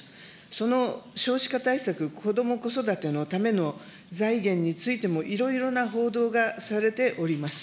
その少子化対策、子ども・子育てのための財源についても、いろいろな報道がされております。